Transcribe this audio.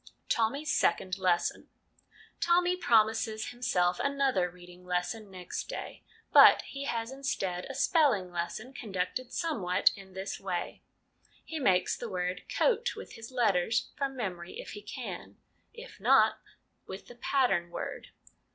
Tommy's Second Lesson. Tommy promises himself another reading lesson next day, but he has instead a spelling lesson, conducted somewhat in this way : He makes the word ' coat ' with his letters, from memory if he can ; if not, with the pattern word.